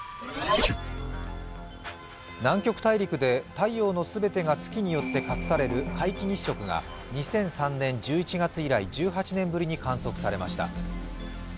南極大陸で太陽のすべてが月によって隠される皆既日食が２００３年１１月以来１８年ぶりに観測されました。